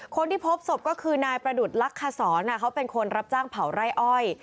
คนที่พบศพก็คือนายประดุษลักษรเขาเป็นคนรับจ้างเผาไร่อ้อย